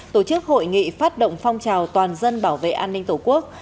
tổ chức hội nghị phát động phong trào toàn dân bảo vệ an ninh tổ quốc